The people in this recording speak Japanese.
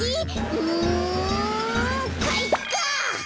うんかいか！